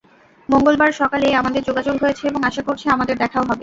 মঙ্গলবার সকালেই আমাদের যোগাযোগ হয়েছে এবং আশা করছি আমাদের দেখাও হবে।